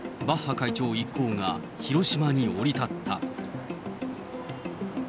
会長一行が広島に降り立った。